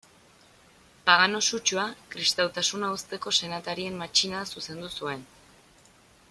Pagano sutsua, kristautasuna uzteko senatarien matxinada zuzendu zuen.